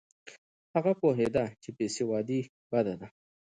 هغه پوهېده چې بې سوادي بده ده.